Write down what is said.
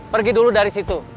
pergi dulu dari situ